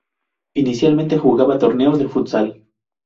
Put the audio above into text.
Inicialmente jugaba torneos de futsal.